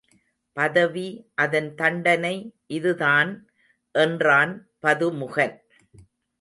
பதவி அதன் தண்டனை இதுதான் என்றான் பது முகன்.